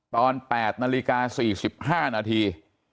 ตอน๘นาฬิกา๔๕นาที